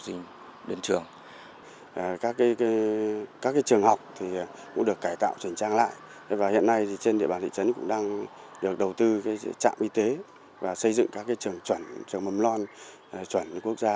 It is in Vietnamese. các trường học cũng được cải tạo chỉnh trang lại và hiện nay trên địa bàn thị trấn cũng đang được đầu tư trạm y tế và xây dựng các trường chuẩn mầm non chuẩn quốc gia